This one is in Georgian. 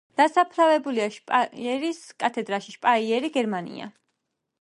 დასაფლავებულია შპაიერის კათედრალში, შპაიერი, გერმანია.